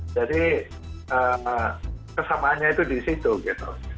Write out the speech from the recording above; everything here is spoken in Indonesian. jadi kesamaannya itu di situ gitu